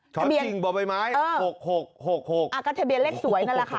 ช้อติ่งบ่อยไม้เอออ่าก็ทะเบียนเลขสวยนั่นแหละค่ะ